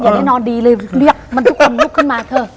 ได้นอนดีเลยเรียกมันทุกคนลุกขึ้นมาเถอะ